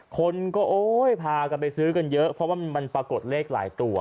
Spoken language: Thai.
คนก็โอ๊ยพากันไปซื้อกันเยอะเพราะว่ามันปรากฏเลขหลายตัว